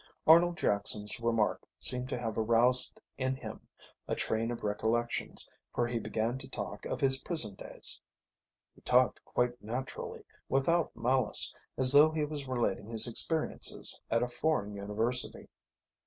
Arnold Jackson's remark seemed to have aroused in him a train of recollections, for he began to talk of his prison days. He talked quite naturally, without malice, as though he were relating his experiences at a foreign university.